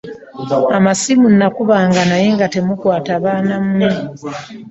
Amasimu nakubanga naye nga temukwata baana mmwe.